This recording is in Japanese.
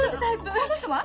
この人は？